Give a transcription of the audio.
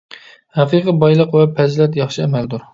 ھەقىقىي بايلىق ۋە پەزىلەت ياخشى ئەمەلدۇر.